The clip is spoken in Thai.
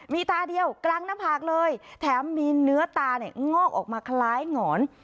มีตาเดียวกลางหน้าผากเลยแถมมีเนื้อตาเนี่ยงอกออกมาคล้ายหงอน